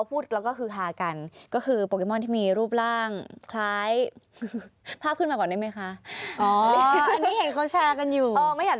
ปูปรายยาตบสุวรรณานนะคะ